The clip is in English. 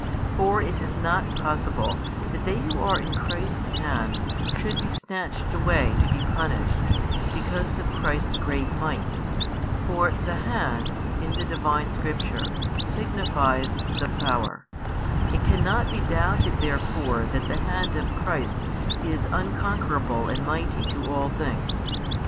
For it is not possible that they who are in Christ's hand should be snatched away to be punished, because of Christ's great might; for "the hand," in the Divine Scripture, signifies "the power:" it cannot be doubted therefore that the hand of Christ is unconquerable and mighty to all things.